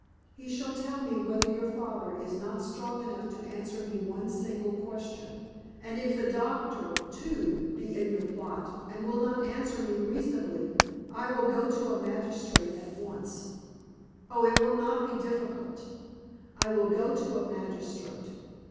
He shall tell me whether your father is not strong enough to answer me one single question, and if the doctor, too, be in your plot, and will not answer me reasonably, I will go to a magistrate at once. Oh! it will not be difficult. I will go to a magistrate.